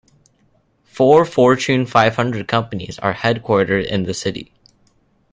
Four Fortune Five Hundred companies are headquartered in this city.